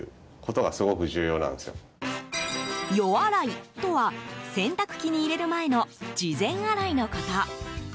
予洗いとは洗濯機に入れる前の事前洗いのこと。